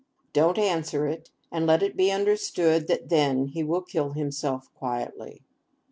Don't answer it, and let it be understood that, then, he will kill himself quietly.